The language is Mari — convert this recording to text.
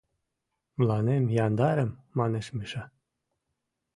— Мыланем яндарым, — манеш Миша.